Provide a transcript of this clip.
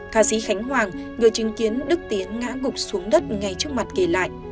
ca sĩ khánh hoàng người chứng kiến đức tiến ngã gục xuống đất ngay trước mặt kể lại